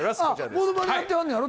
ものまねやってはんのやろ？